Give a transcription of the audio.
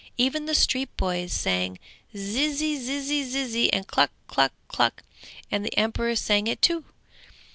Even the street boys sang 'zizizi' and 'cluck, cluck, cluck,' and the emperor sang it too.